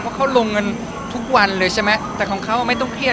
เพราะเขาลงเงินทุกวันเลยใช่ไหมแต่ของเขาไม่ต้องเครียด